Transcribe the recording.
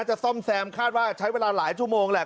ซ่อมแซมคาดว่าใช้เวลาหลายชั่วโมงแหละ